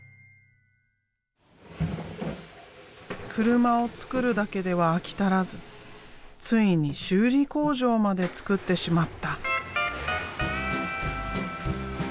車を作るだけでは飽き足らずついに修理工場まで作ってしまった。